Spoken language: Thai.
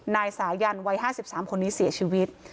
นายสายันวัยห้าสิบสามคนนี้เสียชีวิต